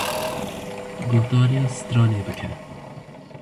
Guhdarîya sitranê bike.